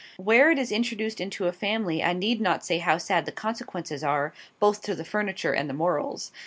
Where it is introduced into a family I need not say how sad the consequences are, both to the furniture and the morals.